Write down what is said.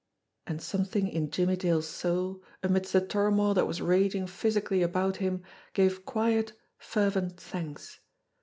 And something in Jimmie Dale's soul, amidst the turmoil that was raging physically about him, gave quiet, fervent thanks.